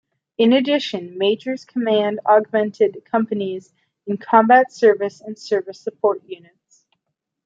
In addition, majors command augmented companies in Combat Service and Service Support units.